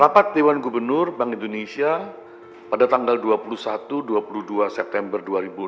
rapat dewan gubernur bank indonesia pada tanggal dua puluh satu dua puluh dua september dua ribu dua puluh